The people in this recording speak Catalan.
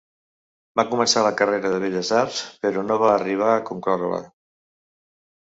Va començar la carrera de Belles arts, però no va arribar a concloure-la.